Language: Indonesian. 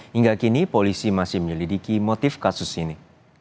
hingga kini polisi masih menyelidiki motif kasus ini